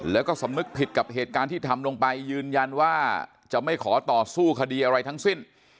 แล้วก็สำนึกผิดกับเหตุการณ์ที่ทำลงไปยืนยันว่าจะไม่ขอต่อสู้คดีอะไรทั้งสิ้น